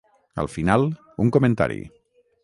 Al final, un comentari.